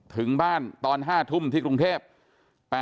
ถึงบ้านตอน๕ทุ่มที่กรุงเทพ